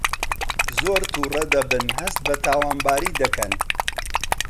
زۆر تووڕە دەبن هەست بە تاوانباری دەکەن